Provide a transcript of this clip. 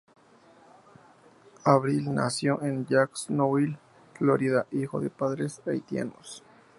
Avril nació en Jacksonville, Florida, hijo de padres haitianos.